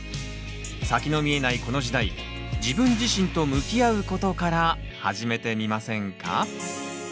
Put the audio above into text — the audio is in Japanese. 先の見えないこの時代自分自身と向き合うことから始めてみませんか？